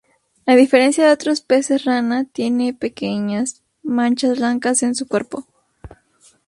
A diferencia de otros peces rana, tiene pequeñas manchas blancas en su cuerpo.